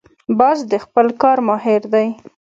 باز د خپل کار ماهر دی